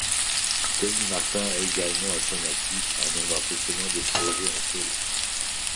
Tony Martin a également à son actif un nombre impressionnant de projets en solo.